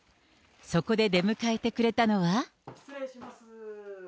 そこで出迎えてくれたのは。